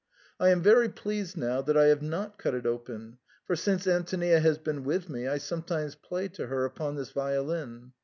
I am very pleased now that I have not cut it open, for since Antonia has been with me I sometimes play to her upon this violin.